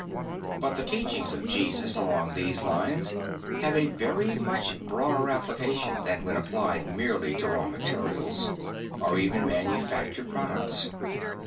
But the teachings of Jesus along these lines have a very much broader application than when applied merely to raw materials, or even manufactured products.